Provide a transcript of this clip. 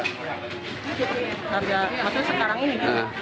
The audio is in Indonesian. harga maksudnya sekarang ini